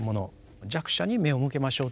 弱者に目を向けましょうという。